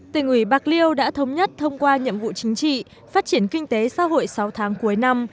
tỉnh ủy bạc liêu đã thống nhất thông qua nhiệm vụ chính trị phát triển kinh tế xã hội sáu tháng cuối năm